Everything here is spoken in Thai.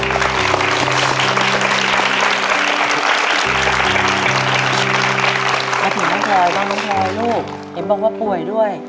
ขอย้างเรื่อยลูกเร็วบอกว่าป่วยด้วย